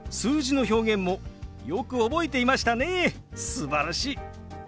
すばらしい！